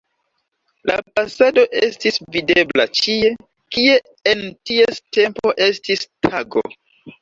La pasado estis videbla ĉie, kie en ties tempo estis tago.